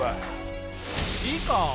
いいか？